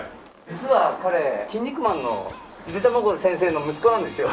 実は彼『キン肉マン』のゆでたまご先生の息子なんですよ。